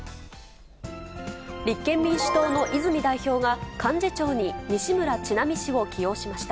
立憲民主党の泉代表が、幹事長に西村智奈美氏を起用しました。